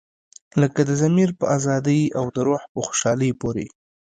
لکه د ضمیر په ازادۍ او د روح په خوشحالۍ پورې.